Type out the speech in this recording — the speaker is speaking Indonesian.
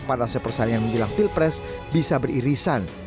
karena sepersaingan menjelang pilpres bisa beririsan